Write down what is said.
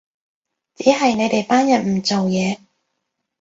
只係你哋班人唔做嘢